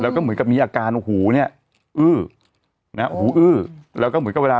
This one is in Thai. แล้วก็เหมือนกับมีอาการหูเนี่ยอื้อนะฮะหูอื้อแล้วก็เหมือนกับเวลา